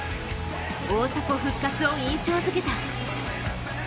大迫復活を印象づけた。